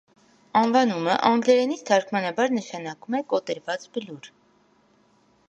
Անվանումը անգլերենից թարգմանաբար նշանակում է «կոտրված բլուր»։